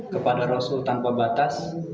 kepada rosul tanpa batas